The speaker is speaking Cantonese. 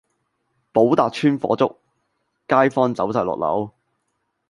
寶達邨火燭，街坊走曬落樓